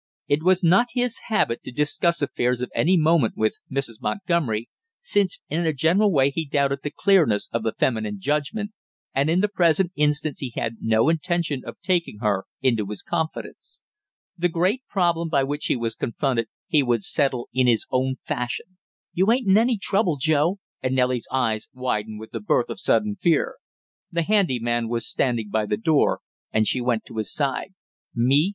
It was not his habit to discuss affairs of any moment with Mrs. Montgomery, since in a general way he doubted the clearness of the feminine judgment, and in the present instance he had no intention of taking her into his confidence. The great problem by which he was confronted he would settle in his own fashion. "You ain't in any trouble, Joe?" and Nellie's eyes widened with the birth of sudden fear. The handy man was standing by the door, and she went to his side. "Me?